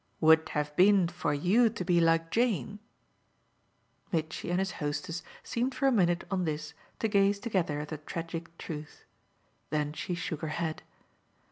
"Would have been for YOU to be like Jane?" Mitchy and his hostess seemed for a minute, on this, to gaze together at the tragic truth. Then she shook her head.